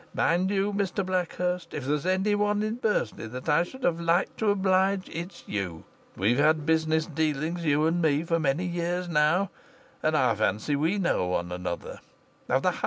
Mind you, Mr Blackhurst, if there's anyone in Bursley that I should have liked to oblige, it's you. We've had business dealings, you and me, for many years now, and I fancy we know one another.